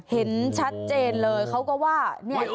เห็นชัดเจนเลยเขาก็ว่าเนี่ย